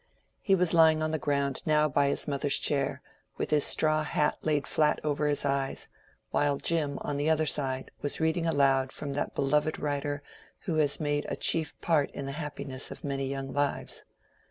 He was lying on the ground now by his mother's chair, with his straw hat laid flat over his eyes, while Jim on the other side was reading aloud from that beloved writer who has made a chief part in the happiness of many young lives.